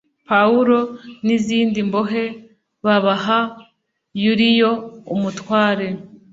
pawulo n izindi mbohe babaha yuliyo umutware